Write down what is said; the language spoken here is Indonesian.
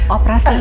operasi itu apa